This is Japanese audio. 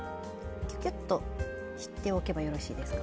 キュキュッとしておけばよろしいですか？